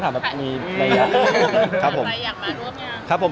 รักธรรมชาติครับผม